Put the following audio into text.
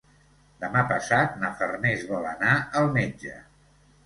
Demà passat na Farners vol anar al metge.